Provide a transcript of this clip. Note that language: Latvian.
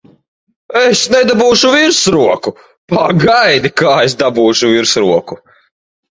Es nedabūšu virsroku! Pagaidi, kā es dabūšu virsroku!